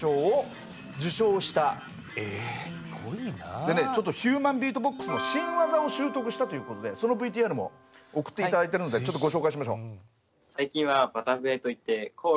でねちょっとヒューマン・ビートボックスの新技を習得したということでそのＶＴＲも送って頂いてるんでちょっとご紹介しましょう。